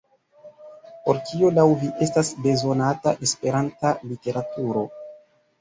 Por kio laŭ vi estas bezonata Esperanta literaturo?